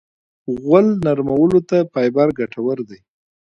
غول نرمولو ته فایبر ګټور دی.